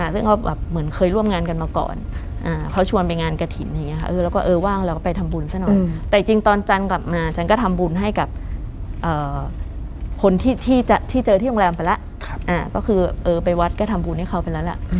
ซึ่งก็แบบเหมือนเคยร่วมงานกันมาก่อนเขาชวนไปงานกระถิ่นอย่างนี้ค่ะแล้วก็เออว่างเราก็ไปทำบุญซะหน่อยแต่จริงตอนจันทร์กลับมาจันก็ทำบุญให้กับคนที่เจอที่โรงแรมไปแล้วก็คือไปวัดก็ทำบุญให้เขาไปแล้วล่ะ